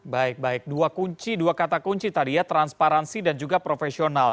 baik baik dua kunci dua kata kunci tadi ya transparansi dan juga profesional